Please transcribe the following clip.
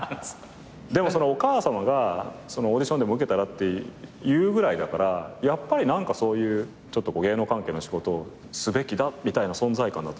でもそのお母さまがオーディションでも受けたらって言うぐらいだからやっぱり何かそういう芸能関係の仕事すべきだみたいな存在感だったんじゃないんすか。